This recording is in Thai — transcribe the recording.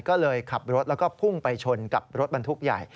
ก็เลยขับรถแล้วก็พุ่งไปชนกับรถบรรทุกใหญ่